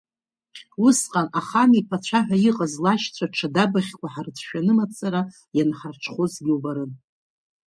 Усҟан, Ахан иԥацәа ҳәа иҟаз лашьцәа ҽадабаӷьқәа ҳрыцәшәаны мацара ианҳарҽхәозгьы убарын.